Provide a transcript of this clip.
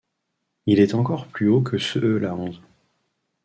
Il est encore plus haut que ceux e la Hanse.